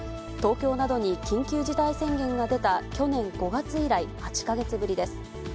東京などに緊急事態宣言が出た去年５月以来、８か月ぶりです。